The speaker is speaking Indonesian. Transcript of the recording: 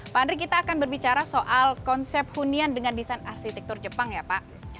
pak andri kita akan berbicara soal konsep hunian dengan desain arsitektur jepang ya pak